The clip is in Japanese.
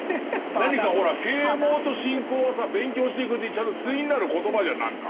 何かほら啓蒙と信仰はさ勉強していくうちにちゃんと対になる言葉じゃん何か。